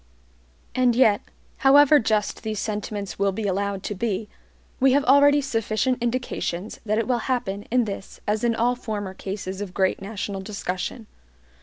And yet, however just these sentiments will be allowed to be, we have already sufficient indications that it will happen in this as in all former cases of great national discussion.